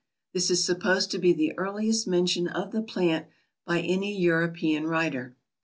This is supposed to be the earliest mention of the plant by any European writer.